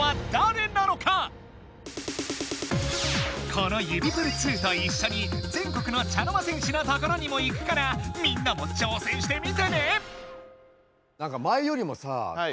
この指プル２といっしょに全国の茶の間戦士のところにも行くからみんなも挑戦してみてね！